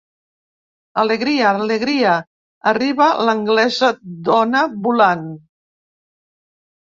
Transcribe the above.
Alegria, alegria, arriba l'Anglesa-dona volant!